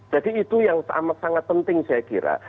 jadi itu yang sangat penting saya kira